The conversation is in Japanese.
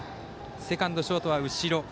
セカンド、ショートは後ろ。